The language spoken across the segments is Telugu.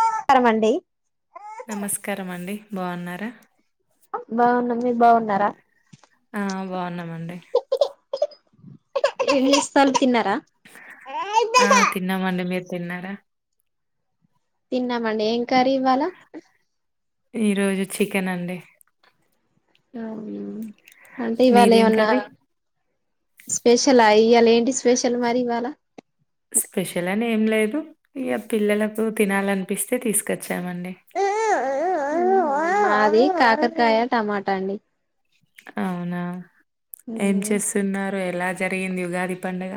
నమస్కారం అండి. నమస్కారం అండి బాగున్నారా. బాగున్నా మీరు బాగున్నారా. ఆ బాగున్నామండి. ఏమి చేస్తన్నారు తిన్నార. తిన్నార. తిన్నామండి ఏం కర్రీ ఇవాల. ఈ రోజు చికెన్ అండి. అంటే ఇవాళ మీదేం ఏమన్నా. కర్రీ స్పెషల్ ఇవాలా ఏంటి స్పెషల్ మరి ఇవాళ. స్పెషల్ అని ఏం లేదు. ఇక పిల్లలకు తినాలనిపిస్తే తీసుకొచ్చామండి. ఆది కాకర కాయ టమాటా అండి. అవునా ఏం చేస్తున్నారు. ఎలా జరిగింది ఉగాది పండుగ.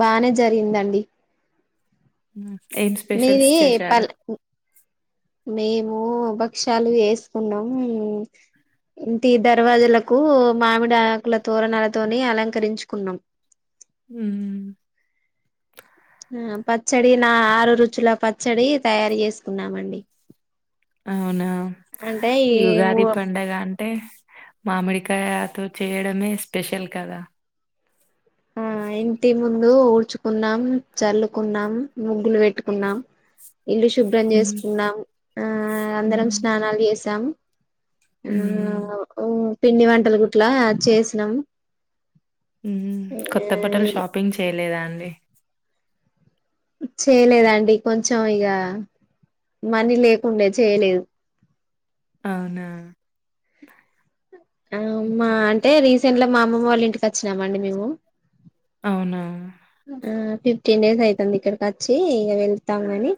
బానే జరిగిందండి. ఉ. మీది పల్ మేము. భక్షాలు వేసుకున్నాం. ఇంటి దర్వాజులకు మామిడి ఆకుల తోరణాలతోని అలంకరించుకున్నాం. ఉ. ఆ పచ్చడి నా ఆరు రుచుల పచ్చడి తయారు చేసుకున్నామండి. అవునా అంటే ఈ ఊ ఉగాది పండగ అంట. అంటే మామిడికాయతో చేయడమే స్పెషల్ కదా. ఆ ఇంటి ముందు ఊడ్చుకున్నాం చల్లుకున్నాం ముగ్గులు పెట్టుకున్నాం. ఇల్లు శుభ్రం చేసుకున్నాం ఆ అందరం స్నానాలు చేసాం. ఆ మ్. పిండి వంటలు గుట్లా చేసినాం. కొత్త బటలు షాపింగ్ చేయలేదా అండి. చేయలేదండి కొంచెం ఇక మనీ లేకుండే చేయలేదు. అవునా. హ్మ్. అంటే రీసెంట్ లా మా అమ్మమ్మ వాళ్ళ ఇంటికి వచ్చినామండి మేము. అవునా. ఆ ఫిఫ్టీన్ డేస్ అవుతుంది ఇక్కడికి వచ్చి ఇక వెళ్తాముని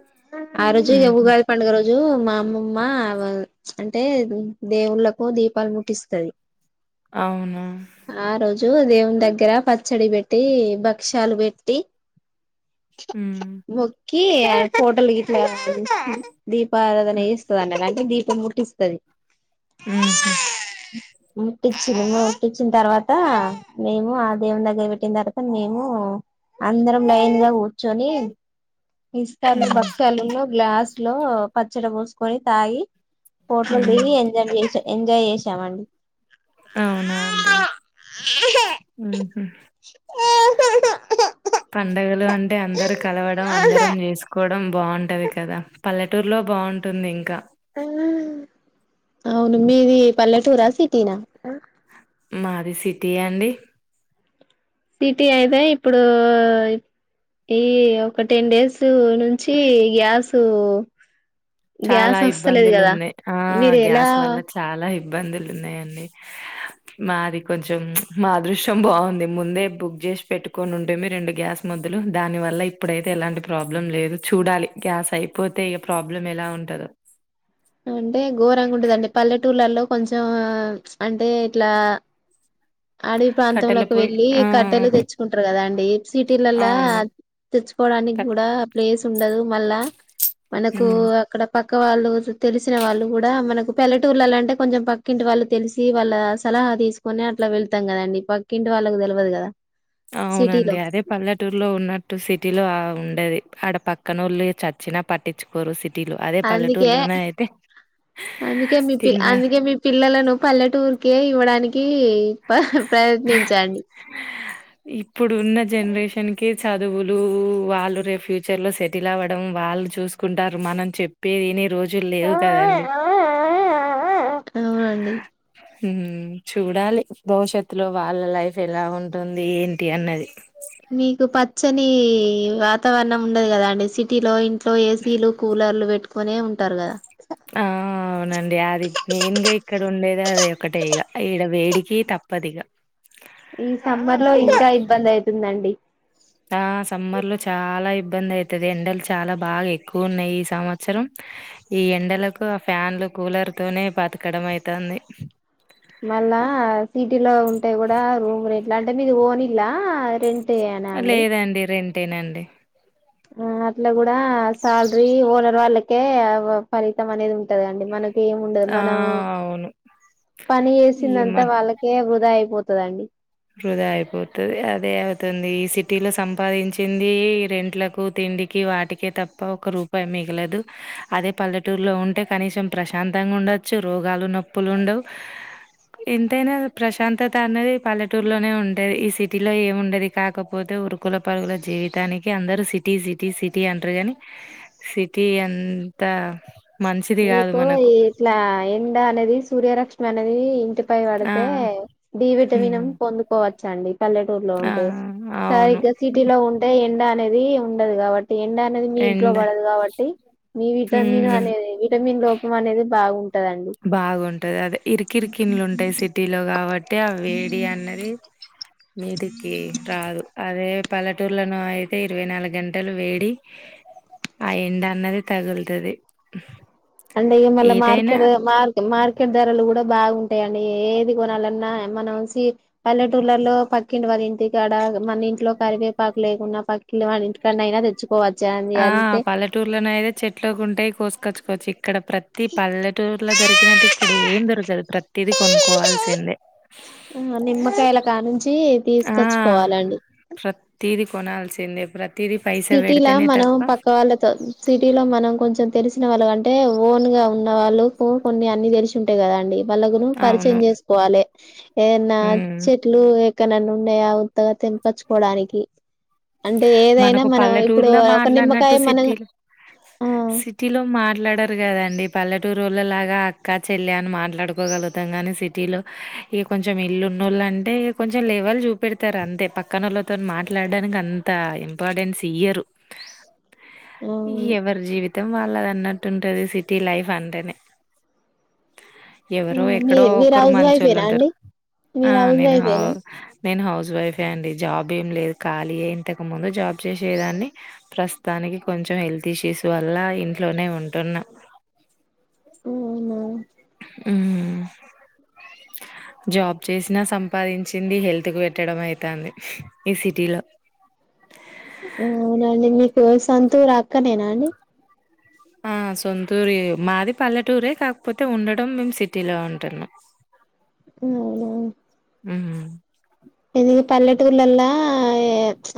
ఆ రోజు ఇక హుహు. ఉగాది పండుగ రోజు రోజు మా అమ్మమ్మ అంటే దేవుళ్ళలకు దీపాలు ముట్టిస్తుది అవునా జు దేవుని దగ్గర పచ్చడి పెట్టి భక్ష్యాలు పెట్టి హ్మ్. మొక్కి పోటోలు దిగుతం దీపారాధన చేస్తుంది అన్నది అంటే దీపం ముట్టిస్తుంది ఆహా ముట్టిచ్చిిన ముట్టిచ్చిన తర్వాత మేము ఆ దేవం దగ్గర పెట్టిన తర్వాత మే అందరం లైన్ గా కూర్చొని ఇస్తాలు హ్మ్. బసాలులో గ్లాస్ లో పచ్చడి పోసుకొని తాగి హోటలు హ్మ్. దిగి ఎంజాయ్ చేసా ఎంజాయ్ చేసామండి అవునా అండి పండగలు అంటే అందరు కలవడం అందరం చేసుకోవడం చడం బాగుంటది కదా పల్లెటూరులో బాగుంటుంది ఇంకా అవును మీది పల్లెటూరా సిటీనా మాది సిటీయా అండి సిటీ అయితే ఇప్పుడు ఈ ఒక టెన్ డేస్ నుంచి గ్యాసు చాలా గ్యాస్ వస్తలేదు ఇబ్బందులు కదా ఉన్నాయి ఆ మీరు ఎలా గ్యాస్ వల్ల చాలా ఇబ్బందులు ఉన్నాయండి మాది కొంచెం మా అదృశ్యం బాగుంది ముందే బుక్ చేసి పెట్టుకొని ఉంటే మీ రెండు గ్యాస్ మొ దాని వల్ల ఇప్పుడైతే ఎలాంటి ప్రాబ్లం లేదు చూడాలి గ్యాస్ అయిపోతే ఇక ప్రాబ్లం ఎలా ఉంట అంటే ఘోరంగా ఉంటదండి పల్లెటూళ్లలో కొంచెం అంటే ఇట్లా అడవి కట్టెల ప్రాంతంలోకి పొయ్యి వెళ్ళలి ఆ! కట్టెలు తెచ్చుకుంటారు కదా అండి సిటీలలా అవును. తెచ్చుకోవడానికి కట్ కూడా ప్లేస్ ఉండదు మళ్ళా మనకు హ్మ్. అక్కడ పక్క పక్క వాళ్ళు తెలిసిన వాళ్ళు కూడా మనకు పల్లెటూర్ల అంటే కొంచెం పక్కింటి వాళ్ళు తెలిసి వాళ్ళ సలహ తీసుకుొనే అట్లా వెళ్తాం కదండి పక్కింటి వాళ్ళకు తెలియదు కదా సిటీలో అవునండి అదే పల్లెటూరులో ఉన్నట్టు సిటీలో ఉ ది ఆడ పక్కనళ్ళు చచ్చినా పట్టించుకోరు సిటీలో అదే అందుకే పల్లెటూరులోనే అయితే అందుకే మీ పిల్ తిన్నా అందుకే మీ పిల్లలను పల్లెటూరు కే ఇవ్వడానికి ప్రయత్నించండి ఇప్పుడు ఉన్న జనరేషన్ కి చదువులు వాళ్ళు రే ఫ్యూచర్ లో సెటిల్ అవ్వడం వాళ్ళు చూసుకుంటారు మనం చెప్పేదిని రోజు జు లేవు కదండి అవునండి హ చూడాలి భవిష్యత్తులో వాళ్ళ లైఫ్ ఎలా ఉంటుంది ఏంటి అన్నది చ్చని వాతావరణం ఉండదు కదాండి సిటీలో ఇంట్లో ఏసీలు కూలర్లు పెట్టు కొనే ఉంటారు కదా ఆ అవునండి అది మెయిన్గా ఇక్కడ ఉండేది అది ఒకట ఇక ఈడ వేడి కే తప్పదగా ఈ సమ్మర్ లో ఇంకా ఇబ్బంది అవుతుందండి ఆ సమ్మర్ లో చాలా ఇబ్బంది అవుతది ఎండలు చాలా బాగా ఎక్కువ ఉన్నాయి ఈ సంవత్సరం ఈ ఎండలకు ఆ ఫ్యాన్లు కూలర్ తోనే బతకడం అయితుంది మళ్ళా సిటీలో ఉంటే కూడా రూమ్ రెట్లా అంటే మీది ఓన్ ఇల్లా రెం లేదండి రెంటేనాండి ఆ అట్లా కూడా శాలరీ ఓనర్ వాళ్ళకే ఫలితం అనేది ఉంటదండి మనకు ఏమిండదు ఆ! మనం అవును. పని ఈఎంఐ చేసిందంతా వాళ్ళకే వృధా అయిపోతు ద అండి వృధా అయ్పోతది అదే అవ్తుందీ సిటీ లొ సంపాదించిందీ రెంట్లకు తి తిండికి వాటికే తప్ప ఒక్క రూపాయ్ మిగలదు అదె పల్లెటూర్ లో ఉంటె కనీసం ప్రశాంతం ఉండచ్చు రోగాలు నొప్పులు ఉండవ్ ఎంతైనా ప్రశాంతత అనేది పల్లె టూర్ లోనె ఉంటయ్ ఈ సిటీలొ ఏముండది కాకపోతె ఉరుకుల పరుగుల జీవితానికి అందరూ సిటీసి ఇతి సిటీ అంటరు గాని సిటీ అంతా మీకో ఈట్లా ఎండ అనెది సూర్యరక్ష్మి అనెది ఇంటి పై ఆ! పడితే డి హ్మ్. విటమినన్ పొందుకోవచ్చ అండి పల్లెటూర్లో ఆ! ఉంటే అవును. సరిగ్గ సిటీలొ ఉంటే ఎండ అనేదీ ఉండదు కావట్ ఎండ అనేది మీ ఇంట్లో ఎండ. పడదు కావట్టి మీ విటమిన్ హ్మ్. అనేది వి ఇన్ లోపం అనేది బాగుంట్ బాగుంటది అదె ఇరికిరికిన్లు ఉంటయ్ సిటీలొ కావట్ టే అ వేడి అన్నది మీదికీ రాదు అదే పల్లెటూర్లనో అయ్తే ఇరవై నాలు గంటలు వేడి అయిందన్నది తగుల్తది అండే ఇగ మల్ల మార్కెలూ మార్క్ మార్కెట్ ధరలు గూడ బాగున్. టయండి ఏది గొనాలన్నా మనం సి పల్లెటూర్లల్లో పక్కింటి వాలింటి కాడ మని. ఇంట్లో కరివేపాక్ లేకున్నా పక్కిల్ల వాని ఇంటికాన్నైన దెచ్చు. ఆ పల్లెటూర్లోనయిదె చెట్లకుంటయ్ కోస్కోచ్ కోచ్ ఇ. ఇక్కడ ప్రతి పల్లెటూర్ల దొరికినట్టు ఇక్కడ ఏం దొరకదు ప్రతీది కొనుక్కోవాల్సిందె. ఆ నిమ్మకాయల కానుంచీ తీస్ కొచ్చుకోవాలండి. ఇది కొనాల్సిందే ప్ర సిటీలా మనం పక్క వాళ్ళతొ, సిటీలో మనం కొంచెం. తెలిసిన వాళ్ళ అంటే ఓన్ గా ఉన్న వాళ్ళు కో కొన్ని అన్ని తెల్షి ఉంటయ్ గదా అండి. వాల్లగును అవును పరిచయం చేస్కోవాలి ఏదన్నా ఉమ్ చెట్లూ క్కనన్న ఉన్నయా ఉత్తగ తెంపచ్చుకోడానికి, అంటే ఏదైనా. మనం ఇప్పుడు పల్లెటూర్ల ఒక మాట్లాడ్ నట్టు నిమ్మకాయ మన సిటీల ఆ సిటీలో మ్ మాట్లడరు గదండి, పల్లెటూరోళ్ళలాగా అక్క చెల్లె అన్ మాట్లాడుకోగలుగుతాం గాని సిటీలొ. ఇగ్ కొంచెం ఇల్లున్నోళ్ళంటే కొంచెం లెవల్ చూపెడతారు అంతె, పక్కనొళ్ళతోన్ మాట్లాడ్డానికి అన్. తా ఇంపార్టెన్స్ ఇయ్యరు, అవును ఎవ్వరి జీవితం వాళ్ళద. న్నట్టుంటది సిటీ లైఫ్ అంటెనే ఎవ్వరో మీ ఎక్కడో మీరు ఒకరు హౌస్ వైఫేనా మంచ్చొళ్ళుంటరు అండి ఆ మీరు హౌస్ నేను అవ్ వైఫేనా నేను హౌస్ వైఫే అండి జాబ్ ఏం లేద్ ఖాళియే తకుముందు జాబ్ చేసేదాన్ని, ప్రస్తానికి కొంచెం హెల్త్ ఇష్యూస్ వల్లా ఇంట్లోనే ఉంటున్. న్న హు అవునా ఉహూ జాబ్ చేస్నా సంపాదించింది హెల్త్ కు పెట్టడం అయ్ తాంది ఈ సిటీలొ. [inaudible] ఊ నండి మీకూ సొంతూర్ అక్కనేనా అండి ఆ సొంతూరీ మాది పల్లెటూరే కాక్పొతె ఉండటం మేమ్ సిటీలో ఉంటున్నం. ఉ అవ్నా పెళ్లి పల్లెటూర్లల్లా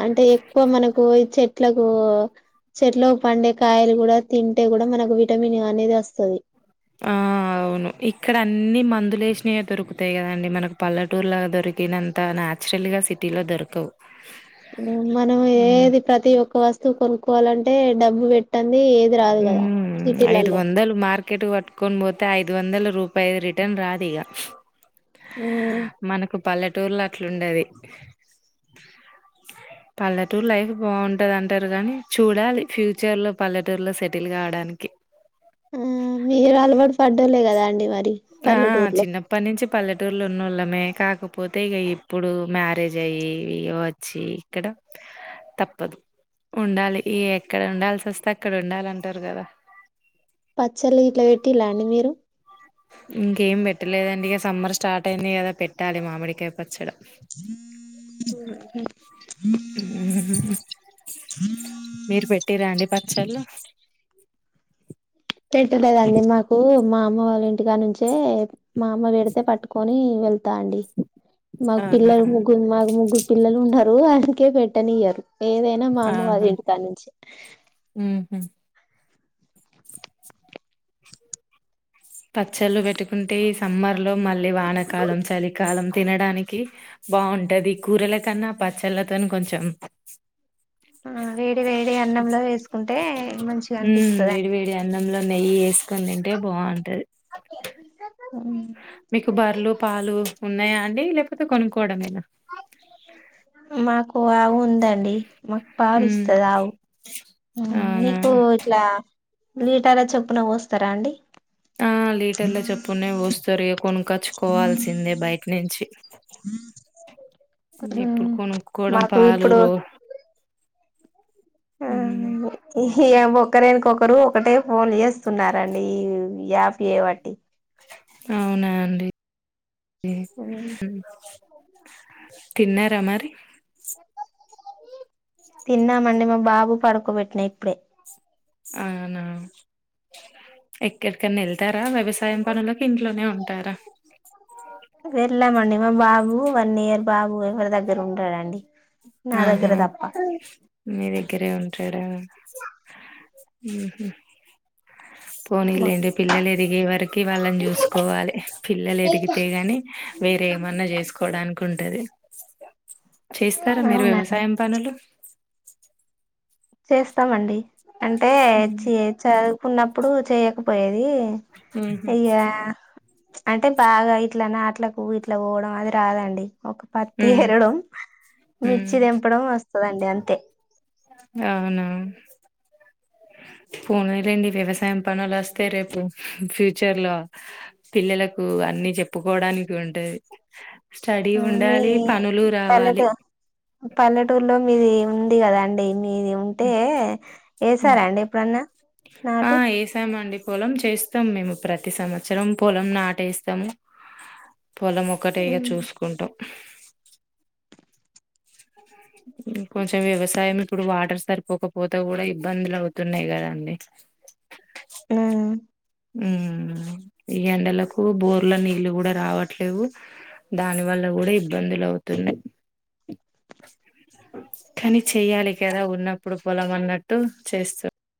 అంటే ఎక్కువ మనకూ చెట్ ట్లగో చెట్లో పండే కాయల్ గుడ, తింటే గుడ, మనకు విటమిన్ అనేది వస్తది. ఆ ఇక్కడ అన్నీ మందులేస్నయే దొరుకుతయ్ గదా అండి, మనకు పల్లెటూర్ల దొరికినంత నా. నాచ్రల్ గా సిటీలొ దొరకవు ఊ మనం హ్మ్. ఏది ప్రతి ఒక్క వస్తువు కొనుక్కోవాలంటే డబ్బు వెట్టన్ ఊమ్ ఐదు వందలు మార్కెటుక్ వట్కోన్ బోతె ఐదు వందలు. రూపయ్ రిటర్న్ రాదిగ మ్మ్ మనకు పల్లెటూర్లో అట్లుండది పల్లెటూరు లైఫ్ బాగుంటది అంటారు గానీ, చూడాలి ఫ్యూచర్ లో పల్లె. టూర్ లో సెటిల్ గాడానికి ఆ మీరు అలవాటు పడ్డోళ్ళే కదా అండి మరి ఆ పల్లెటూరులో చిన్నప్పన్నుంచి పల్లె టూర్లో ఉన్నోళ్ళమే, కాకపోతే ఇగ ఇప్పుడు మ్యారేజ్ అయ్యి, వచ్చి ఇక్కడ. తప్పదు ఉండాలి ఈ ఎక్కడ ఉండాల్సొస్తే అక్కడ ఉండాలి అంటారు గదా. పచ్చళ్ళు ఇట్ల వెట్టిల్ల అండి మీరు ఇంకేం బెట్టలేదండి ఇగ సమ్మర్ స్టార్ట్ అయింది గదా, పెట్టాలి మామిడికాయ్ పచ్చడ. [unintelligible] మీరు పెట్టిర్రా అండి పచ్చళ్ళు పెట్టలేదండి మాకూ, మా అమ్మ వాళ్ళింటికా నుంచే మా అమ్మ వెడితే పట్టుకొనీ వెళ్. తా అండి మాక్ అవునా! పిల్లలు ముగ్గురు, మాకు ముగ్గురు పిల్లలు ఉన్నరూ, అందుకే పెట్టనియ్యరు. ఏదైనా మా ఆహా! అమ్మవాళ్ల ఇంటికాన్నుంచి హుహు. పచ్చళ్ళు వెట్టుకుంటే ఈ సమ్మర్ లో మళ్ళీ వానకాలం, చలికాలం, తినడానికి. బాగుంటది కూరల కన్నా పచ్చళ్ళతోని కొంచెం ఆ వేడి వేడి అన్నంలో వేసుకుంటే మంచిగా హ్మ్ వేడి అనిపిస్తదండి వేడి అన్నంలో నెయ్యి వేసుకని తింటే బావుంటది అ బేబీ [unintelligible] మీకు బర్లు పాలు ఉన్నాయ అండి లేకపోతే కొనుక్కోవడమే మాకు ఆవు ఉందండి మాకు పాలు హ్మ్. ఇస్తది ఆవు ఊ అవునా? మీకు ఇట్లా లీటార్ల చొప్పున పోస్తారా అండి ఆ లీటర్ల చెప్పున్నే పోస్తారు ఇగ కొను కచ్చుకోవాల్సిందే బయట నుంచి ఇగ ఇప్పుడు కొనుక్కోవడం మాకు పాలు ఇప్పుడు రో ఆ హ్మ్. ఇ యమ్ ఒకరెనుకొకరు ఒకటే ఫోన్ చేస్తున్నారండి ఈ యాప్ ఏవట్టి అవునా అండి డి ఉ తిన్నరా మరి తిన్నామండి మా బాబు పడుకోబెట్టిన ఇప్పుడే అవునా ఎక్కడిక్కనా వెళ్తారా వ్యవసాయం పనులకు ఇంట్లోనే ఉంటారా వెళ్ళామండి మా బాబు వన్ ఇయర్ బాబు ఎవరి దగ్గర ఉండడండి నా దగరతప్ప ఇక్కరే ఉంటడా ఊహు పోనీలేండి పిల్లలు ఎదిగే వరకి వాళ్ళని చూసుకోవాలి పిల్లలు ఎదిగితే గాని వేరే ఏమన్నా చేసుకోవడానికి ఉంటది స్తారా మీరు అవునండి వ్యవసాయం పనులు చేస్తామండి అంటే చి చదువుకున్నప్పుడు చేయకపోయేది ఉహు దీ ఇగా అంటే బాగా ఇట్ల నాట్లకూ ఇట్లా పోవడం అది రాదండి ఒక పత్తి ఉమ్ ఎరడం ఉమ్ మిర్చి దెంపడం వస్తదండి అంతే అవునా పోనీలేండి వ్యవసాయం పనులు వస్తే రేపు ఫ్యూచర్ లో పిల్లలకు అ అన్నీ చెప్పుకోవడానికి ఉంటది స్టడీ ఆ మీ ఉండాలి పనులు పల్లెటూ రావాలి పల్లెటూరులో మీది ఉంది కదా అండి మీది ఉంటే ఉమ్ వేసారా అండి ఎప్పుడన్నా ఆ నాటు ఏసామండి పొలం చేస్తాం మేము ప్రతి సంవత్సరం పొలం నాటేస్తం పొలం ఒకటే ఇగ ఉమ్ చూసుకుంటాం ఊ కొంచెం వ్యవసాయం ఇప్పుడు వాటర్ సరిపోకపోతే కూడా ఇబ్బందులు అవుతున్నాయి కదండి హ్మ్ ఉమ్ ఈ ఎండలకు బోర్ లో నీళ్ళు కూడా రావట్లేవు దాని వల్ల కూడా ఇబ్బందులు అవుతున్నాయి కానీ చెయ్యాలి కదా ఉన్నప్పుడు పొలం అన్నట్టు చేస్తూ